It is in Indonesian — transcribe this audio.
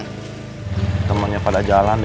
musik temennya pada jalan dia